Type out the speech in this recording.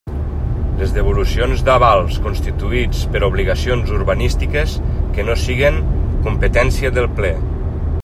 Les devolucions d'avals constituïts per obligacions urbanístiques que no siguin competència del Ple.